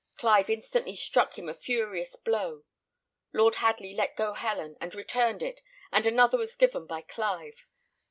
Clive instantly struck him a furious blow. Lord Hadley let go Helen, and returned it, and another was given by Clive.